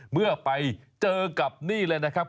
เมื่อไปเจอกับนี่เลยนะครับ